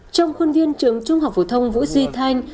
trong khuôn viên trường trung học phổ thông vũ duy thanh